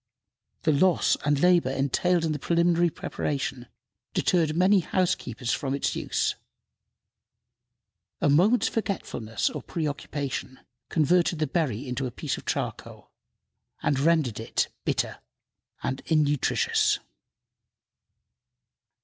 The loss and labor entailed in the preliminary preparation deterred many housekeepers from its use. A moment's forgetfulness or preoccupation converted the berry into a piece of charcoal, and rendered it bitter and innutritious.